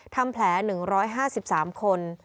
ทำแผล๑๕๓คน